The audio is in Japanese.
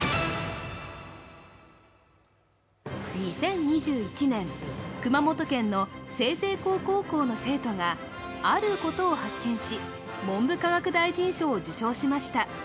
２０２１年、熊本県の済々黌高校の生徒があることを発見し、文部科学大臣賞を受賞しました。